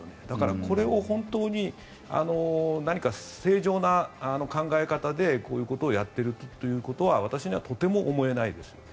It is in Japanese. だから、これを本当に何か正常な考え方でこういうことをやっているということは私にはとても思えないです。